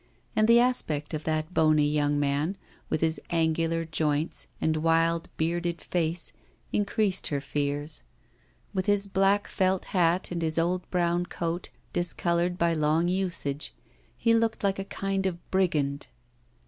And the aspect of that bony young man, with his angular joints and wild bearded face, increased her fears. With his black felt hat and his old brown coat, discoloured by long usage, he looked like a kind of brigand.